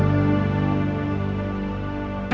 ate bisa menikah